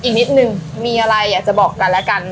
อีกนิดนึงมีอะไรอยากจะบอกกันและกัน